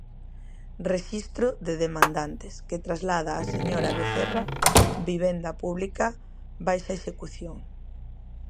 Rexistro de demandantes, que traslada a señora Vecerra, vivenda pública, baixa execución.